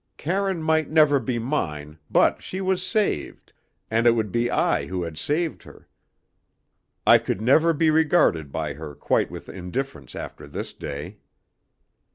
Karine might never be mine, but she was saved, and it would be I who had saved her. I could never be regarded by her quite with indifference after this day.